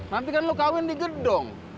nanti kan lo kawin di gedung